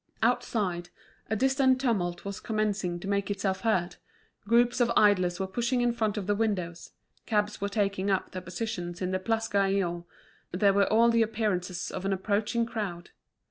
Outside, a distant tumult was commencing to make itself heard, groups of idlers were pushing in front of the windows, cabs were taking up their positions in the Place Gaillon, there were all the appearances of an approaching crowd.